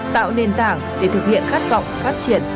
tạo nền tảng để thực hiện khát vọng phát triển